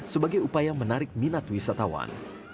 sebagai upaya menarik minat wisatawan